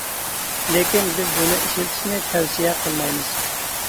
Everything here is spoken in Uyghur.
لېكىن بىز بۇنى ئىشلىتىشنى تەۋسىيە قىلمايمىز!